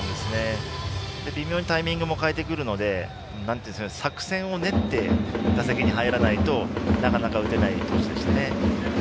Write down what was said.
微妙にタイミングも変えてくるので作戦を練って打席に入らないとなかなか打てない投手でしたね。